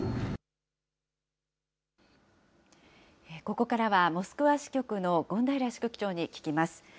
ここからはモスクワ支局の権平支局長に聞きます。